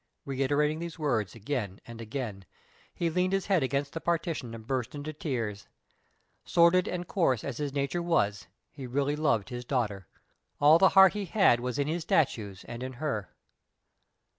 Reiterating these words again and again, he leaned his head against the partition and burst into tears. Sordid and coarse as his nature was, he really loved his daughter. All the heart he had was in his statues and in her.